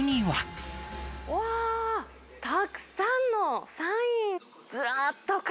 わー、たくさんのサイン。